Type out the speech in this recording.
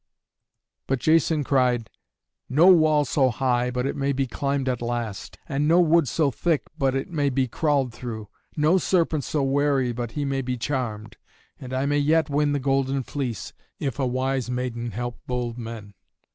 But Jason cried, "No wall so high but it may be climbed at last, and no wood so thick but it may be crawled through. No serpent so wary but he may be charmed, and I may yet win the Golden Fleece, if a wise maiden help bold men."